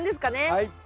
はい。